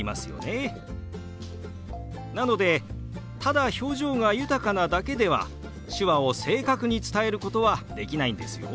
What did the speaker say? なのでただ表情が豊かなだけでは手話を正確に伝えることはできないんですよ。